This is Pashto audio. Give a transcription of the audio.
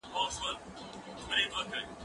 زه هره ورځ کالي وچوم!؟